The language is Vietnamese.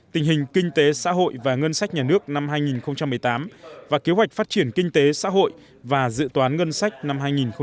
tình hình kinh tế xã hội và ngân sách nhà nước năm hai nghìn một mươi tám và kế hoạch phát triển kinh tế xã hội và dự toán ngân sách năm hai nghìn một mươi chín